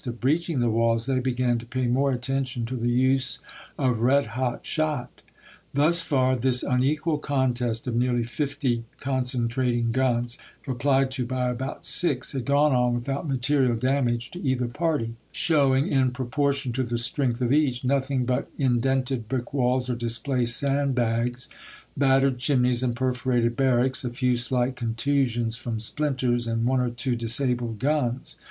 of breaching the walls they began to pay more i.,p, 22" attention to the use of red hot shot. Thus far this unequal contest of nearly fifty con centrating guns, replied to by about six, had gone on without material damage to either party — showing, in proportion to the strength of each, nothing but indented brick walls or displaced sand bags, battered chimneys and perforated bar racks, a few slight contusions from splinters, and one or two disabled guns.